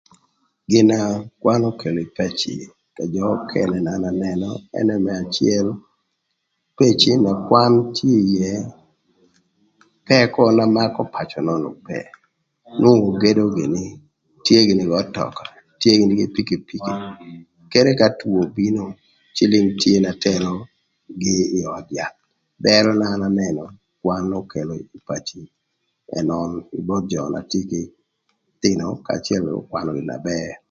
Gina kwan okelo ï paci ka jö ökënë na an anënö ënë më acël, peci na kwan tye ïë pëkö na makö pacö nön ope nwongo ogedo gïnï, tye gïnï k'ötöka, tye gïnï kï pikipiki, kede ka two obino cïlïng tye na terogï ï öd yath bërö na an anënö kwan okelo ï paci ënön kï both jö na tye k'ëthïnö ka cë ökwanö gïnï na bër.